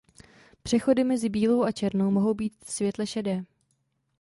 Přechody mezi bílou a černou mohou být světle šedé.